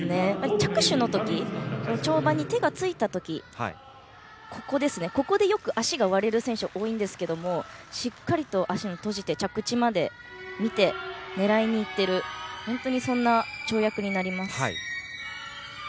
着手の時、跳馬に手がついた時ここでよく足が割れる選手が多いんですけどしっかりと足を閉じて着地まで見て狙いにいっているそんな跳躍になります。